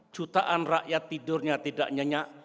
jutaan rakyat tidurnya tidak nyenyak